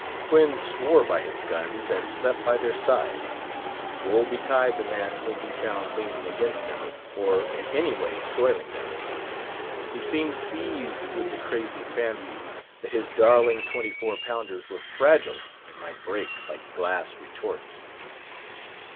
Quoin swore by his guns, and slept by their side. Woe betide the man whom he found leaning against them, or in any way soiling them. He seemed seized with the crazy fancy, that his darling twenty four pounders were fragile, and might break, like glass retorts.